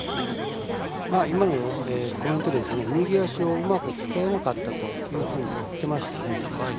今のコメント右足をうまく使えなかったというふうに言っていましたね。